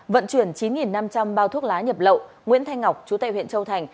vận chuyển chín năm trăm linh bao thuốc lá nhập lậu nguyễn thanh ngọc chú tệ huyện châu thành